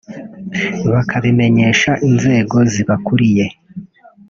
bakabimenyesha inzego zibakuriye